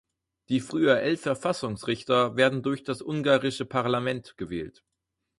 Die früher elf Verfassungsrichter werden durch das ungarische Parlament gewählt.